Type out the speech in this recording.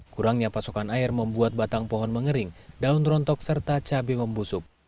kurangnya pasokan air membuat batang pohon mengering daun rontok serta cabai membusuk